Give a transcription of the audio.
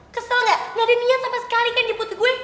kesel gak gak ada niat sama sekali kan jemput gue